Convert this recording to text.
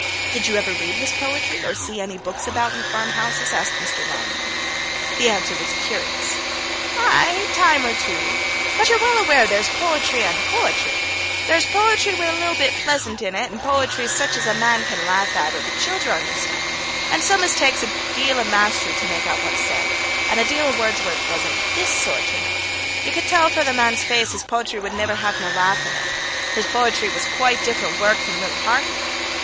'Did you ever read his poetry, or see any books about in the farmhouses?' asked Mr. Rawnsley. The answer was curious: 'Ay, ay, time or two. But ya're weel aware there's potry and potry. There's potry wi' a li'le bit pleasant in it, and potry sic as a man can laugh at or the childer understand, and some as takes a deal of mastery to make out what's said, and a deal of Wudsworth's was this sort, ye kna. You could tell fra the man's faace his potry would niver have no laugh in it. His potry was quite different work from li'le Hartley.